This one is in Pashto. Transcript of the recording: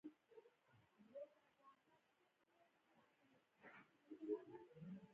زړه د خندا تودې څپې لري.